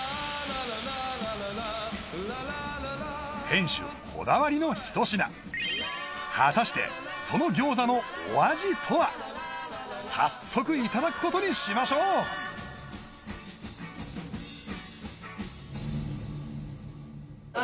店主こだわりの一品果たしてその餃子のお味とは早速いただくことにしましょう何？